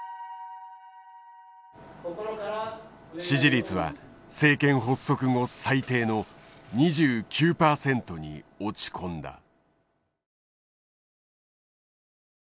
支持率は政権発足後最低の２９％に落ち込んだ。